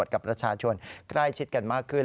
กับประชาชนใกล้ชิดกันมากขึ้น